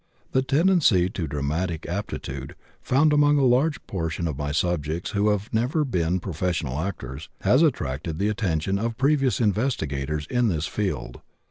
The tendency to dramatic aptitude found among a large proportion of my subjects who have never been professional actors has attracted the attention of previous investigators in this field.